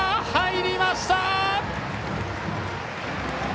入りました！